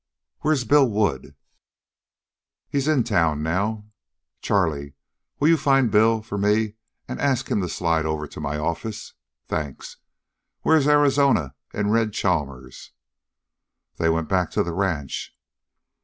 "Where's Bill Wood?" "He's in town now." "Charley, will you find Billy for me and ask him to slide over to my office? Thanks! Where's Arizona and Red Chalmers?" "They went back to the ranch."